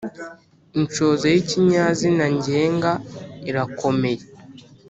Inshoza y ikinyazina ngenga irakomeye.